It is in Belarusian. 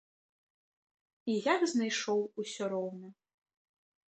І як знайшоў усё роўна.